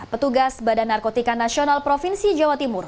petugas badan narkotika nasional provinsi jawa timur